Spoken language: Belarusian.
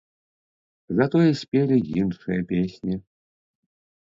Затое спелі іншыя песні.